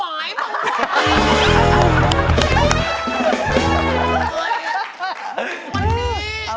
มันมี